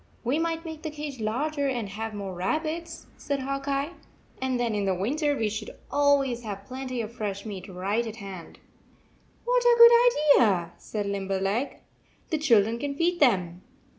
"We might make the cage larger and have more rabbits," said Hawk Eye, "and then in winter, we should always have plenty of fresh meat right at hand." "What a good idea!" said Limberleg. "The children can feed them."